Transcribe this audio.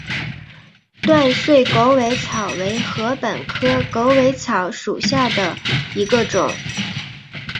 断穗狗尾草为禾本科狗尾草属下的一个种。